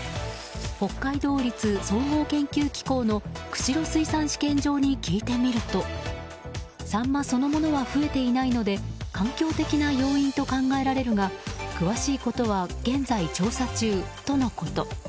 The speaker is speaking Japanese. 北海道立総合研究機構の釧路水産試験場に聞いてみるとサンマそのものは増えていないので環境的な要因と考えられるが詳しいことは現在調査中とのこと。